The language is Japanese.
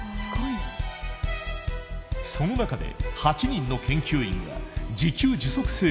その中で８人の研究員が自給自足生活をする。